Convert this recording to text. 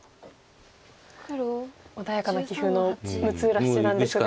穏やかな棋風の六浦七段ですが。